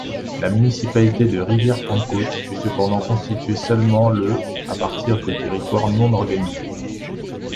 La municipalité de Rivière-Pentecôte fut cependant constituée seulement le à partir de territoire non-organisé.